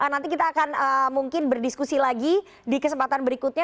nanti kita akan mungkin berdiskusi lagi di kesempatan berikutnya